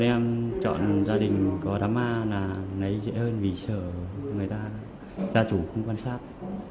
bọn em chọn gia đình có đám ma là lấy dễ hơn vì sợ người ta ra chủ không quan sát